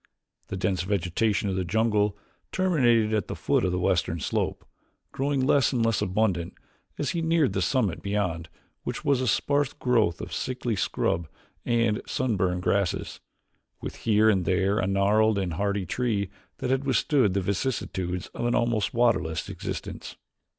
The dense vegetation of the jungle terminated at the foot of the western slope, growing less and less abundant as he neared the summit beyond which was a sparse growth of sickly scrub and sunburned grasses, with here and there a gnarled and hardy tree that had withstood the vicissitudes of an almost waterless existence.